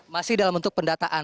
masih dalam bentuk pendataan